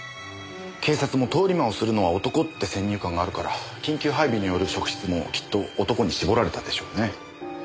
警察も通り魔をするのは男って先入観があるから緊急配備による職質もきっと男に絞られたでしょうね。